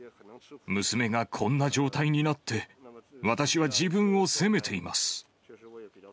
娘がこんな状態になって、私は自分を責めています。